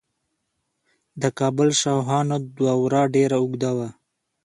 د کابل شاهانو دوره ډیره اوږده وه